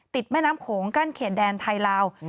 แม่น้ำโขงกั้นเขตแดนไทยลาว